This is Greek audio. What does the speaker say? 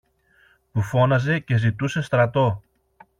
που φώναζε και ζητούσε στρατό.